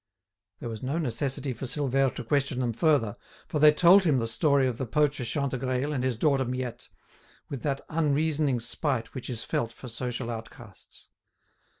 There was no necessity for Silvère to question them further, for they told him the story of the poacher Chantegreil and his daughter Miette, with that unreasoning spite which is felt for social outcasts.